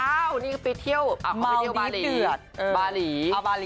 นี่เป็นแบบไปเที่ยวบารี